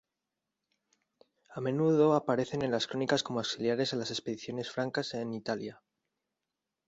A menudo aparecen en las crónicas como auxiliares en las expediciones francas en Italia.